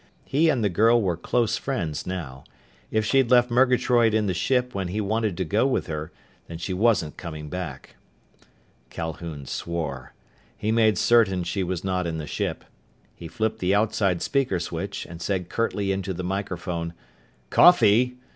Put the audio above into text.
He and the girl were close friends, now. If she'd left Murgatroyd in the ship when he wanted to go with her, then she wasn't coming back. Calhoun swore. He made certain she was not in the ship. He flipped the outside speaker switch and said curtly into the microphone, "Coffee!